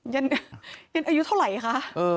ยันตร์ยันตร์อายุเท่าไหร่คะ